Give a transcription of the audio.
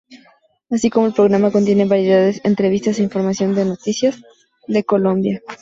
Así como el programa contiene variedades, entrevistas e información de noticias de Colombia.